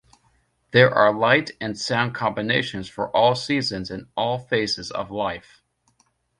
There are light and sound combinations for all seasons and all phases of life.